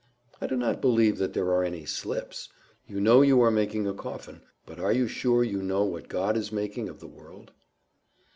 "I do not believe that there are any slips. You know you are making a coffin; but are you sure you know what God is making of the world?"